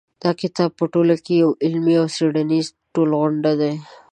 دا کتاب په ټوله کې یو علمي او څېړنیز ټولغونډ دی.